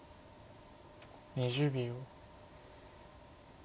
２０秒。